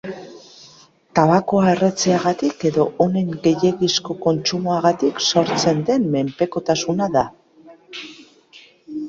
Tabakoa erretzeagatik edo honen gehiegizko kontsumoagatik sortzen den menpekotasuna da.